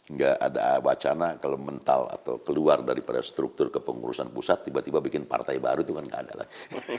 nggak ada wacana kalau mental atau keluar daripada struktur kepengurusan pusat tiba tiba bikin partai baru itu kan nggak ada lagi